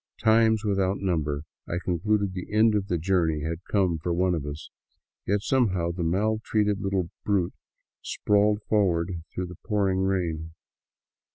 Times without number I concluded the end of the journey had come for one of us, yet somehow the maltreated little brute sprawled forward through the pouring rain.